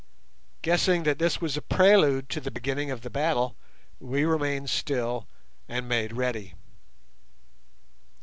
Guessing that this was a prelude to the beginning of the battle, we remained still and made ready.